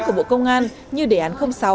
của bộ công an như đề án sáu